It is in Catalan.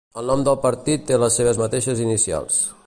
El nom del partit té les seves mateixes inicials.